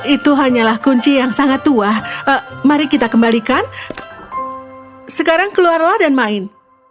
itu hanyalah kunci yang sangat tua mari kita kembalikan sekarang keluarlah dan main